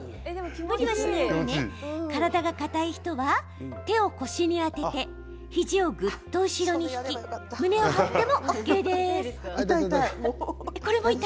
体が硬い人は、手を腰に当てて肘をぐっと後ろに引き胸を張ってもＯＫ。